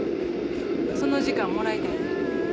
その時間もらいたいねん。